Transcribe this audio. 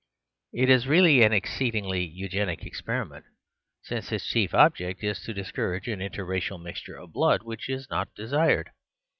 It is really an exceedingly Eugenic experiment; since its chief object is to discourage an inter racial mixture of blood which is not desired.